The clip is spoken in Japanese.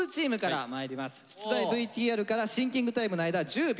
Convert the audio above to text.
出題ＶＴＲからシンキングタイムの間は１０秒。